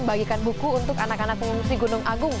bagikan buku untuk anak anak pengungsi gunung agung